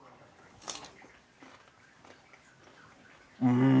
うん！